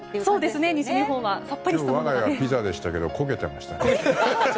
我が家はピザでしたけど焦げてましたね。